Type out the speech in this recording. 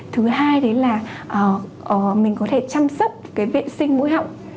thứ hai là mình có thể chăm sóc vệ sinh mũi họng